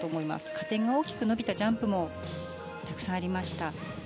加点が大きく伸びたジャンプもたくさんありました。